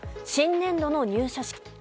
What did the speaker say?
新年度の入社式。